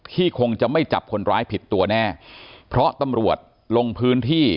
คงจะไม่จับคนร้ายผิดตัวแน่เพราะตำรวจลงพื้นที่